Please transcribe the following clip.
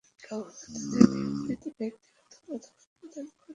কখনও তাদের বিপরীতে ব্যক্তিগত মতামত প্রদান করেছেন।।